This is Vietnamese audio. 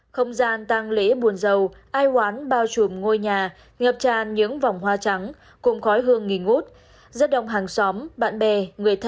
không gian tàng lễ buồn giàu ai hoán bao trùm ngôi nhà ngập tràn những vòng hoa trắng cùng khói hương nghỉ ngút